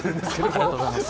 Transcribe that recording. ありがとうございます。